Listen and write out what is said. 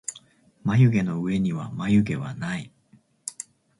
まゆげのうえにはまゆげはない